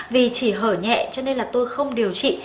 vì chỉ hở nhẹ cho nên là tôi không điều trị